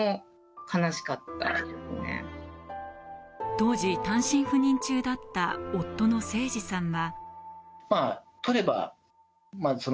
当時、単身赴任中だった夫の誠二さんは。